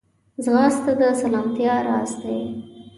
ځغاسته د سلامتیا راز دی